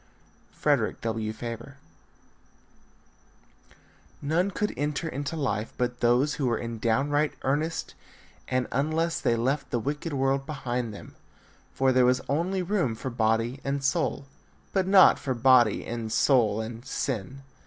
Frederick W. Faber. None could enter into life but those who were in downright earnest and unless they left the wicked world behind them; for there was only room for body and soul, but not for body and soul and sin.